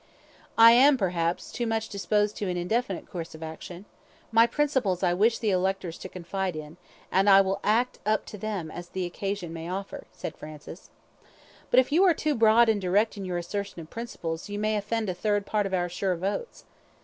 "I am, perhaps, too much disposed to an indefinite course of action; my principles I wish the electors to confide in, and I will act up to them as the occasion may offer," said Francis. "But if you are too broad and direct in your assertion of principles, you may offend a third part of our sure votes.